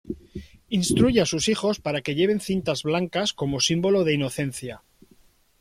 Instruye a sus hijos para que lleven cintas blancas como símbolo de inocencia.